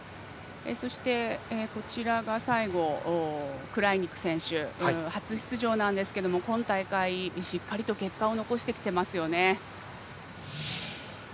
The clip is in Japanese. そして、クライニク選手初出場なんですけども今大会、しっかりと結果を残してきていますよね。